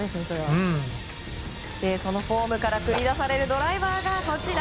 そのフォームから繰り出されるドライバーがこちら。